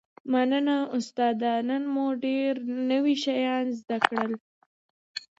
مننه استاده نن مو ډیر نوي شیان زده کړل